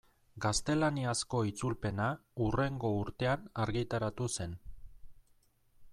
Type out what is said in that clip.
Gaztelaniazko itzulpena hurrengo urtean argitaratu zen.